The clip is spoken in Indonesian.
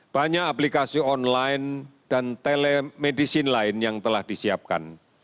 banyak aplikasi online dan telemedicine lain yang telah disiapkan